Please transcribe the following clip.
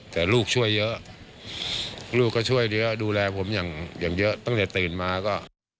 แต่ลูกช่วยเยอะลูกก็ช่วยเยอะดูแลผมอย่างเยอะตั้งแต่ตื่นมาก็